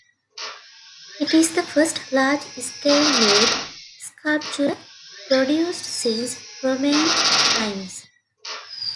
It is the first large scale nude sculpture produced since Roman times.